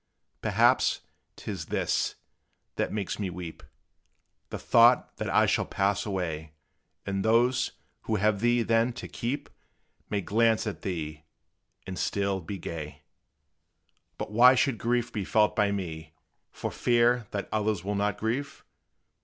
Perhaps 't is this, that makes me weep The thought that I shall pass away, And those, who have thee then to keep, May glance at thee, and still be gay. But why should grief be felt by me, For fear that others will not grieve?